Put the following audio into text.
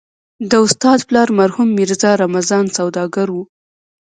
د استاد پلار مرحوم ميرزا رمضان سوداګر و.